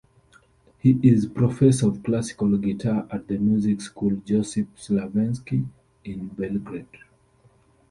He is professor of classical guitar at the Music school "Josip Slavenski" in Belgrade.